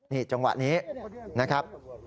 นี่จังหวะนี้นะครับ